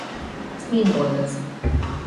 Steam boilers.